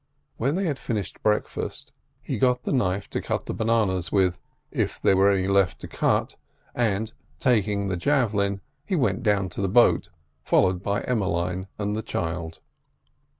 When they had finished breakfast he got the knife to cut the bananas with—if there were any left to cut—and, taking the javelin, he went down to the boat, followed by Emmeline and the child.